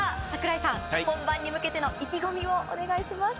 櫻井さん本番に向けての意気込みをお願いします。